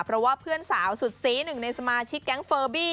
เพราะว่าเพื่อนสาวสุดซีหนึ่งในสมาชิกแก๊งเฟอร์บี้